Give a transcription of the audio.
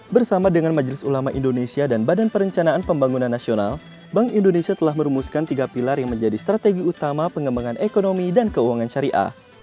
bersama dengan majelis ulama indonesia dan badan perencanaan pembangunan nasional bank indonesia telah merumuskan tiga pilar yang menjadi strategi utama pengembangan ekonomi dan keuangan syariah